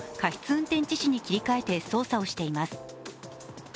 運転致死に切り替えて捜査をしています。